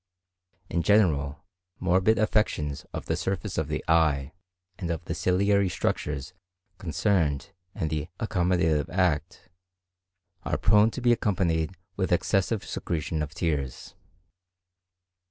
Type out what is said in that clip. In general, morbid affections of the surface of the eye, and of the ciliary structures concerned in the accommodative act, are prone to be accompanied with excessive secretion of tears.